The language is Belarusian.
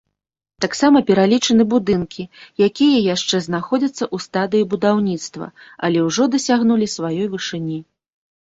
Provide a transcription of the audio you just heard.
Таксама пералічаны будынкі, якія яшчэ знаходзяцца ў стадыі будаўніцтва, але ўжо дасягнулі сваёй вышыні.